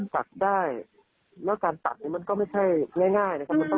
และการทัดมันไม่ใช่ง่ายง่าย